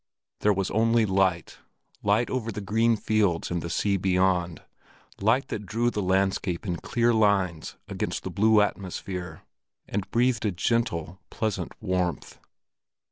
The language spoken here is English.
There was only light—light over the green fields and the sea beyond, light that drew the landscape in clear lines against the blue atmosphere, and breathed a gentle, pleasant warmth.